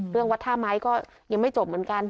วัดท่าไม้ก็ยังไม่จบเหมือนกัน